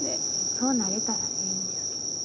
そうなれたらね。